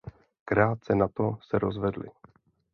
Krátce nato se rozvedli.